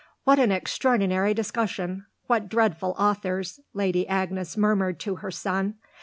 "What an extraordinary discussion! What dreadful authors!" Lady Agnes murmured to her son.